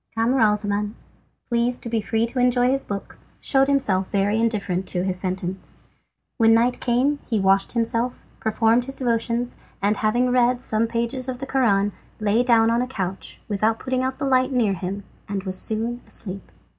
Camaralzaman, pleased to be free to enjoy his books, showed himself very indifferent to his sentence. When night came he washed himself, performed his devotions, and, having read some pages of the Koran, lay down on a couch, without putting out the light near him, and was soon asleep.